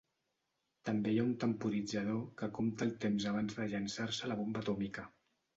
També hi ha un temporitzador que compta el temps abans de llançar-se la bomba atòmica.